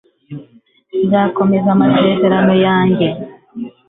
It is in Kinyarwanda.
nzakomeza amasezerano yanjye